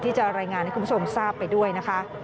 ที่จะรายงานให้คุณผู้ชมทราบไปด้วยนะคะ